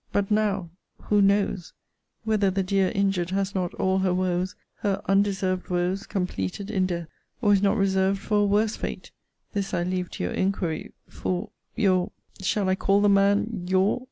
But now who knows, whether the dear injured has not all her woes, her undeserved woes, completed in death; or is not reserved for a worse fate! This I leave to your inquiry for your [shall I call the man your?